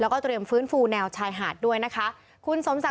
และก็เพิ่มฟื้นฟูแนวชายหาดด้วยนะคะ